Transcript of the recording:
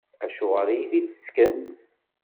Acuɣer i iyi-t-id-tessken?